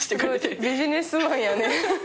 ビジネスマンやね。